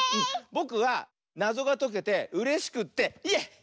ぼくはなぞがとけてうれしくってイエイ！